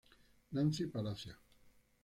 Nancy Palacios.